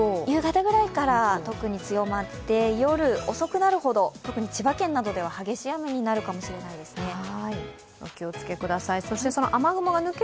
夕方ぐらいから特に強まって特に千葉県などでは激しい雨になるかもしれないですね。